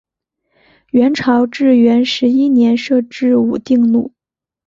元朝至元十一年设置武定路。